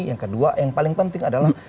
yang kedua yang paling penting adalah